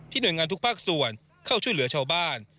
หน่วยงานทุกภาคส่วนเข้าช่วยเหลือชาวบ้าน